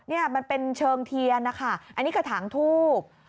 นี่มันเป็นเชิงเทียนนะคะอันนี้กระถางทูบ